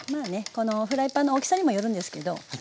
このフライパンの大きさにもよるんですけど。